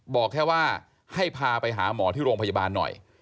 บอกแค่ว่าให้พาไปหาหมอที่โรงพยาบาลหน่อย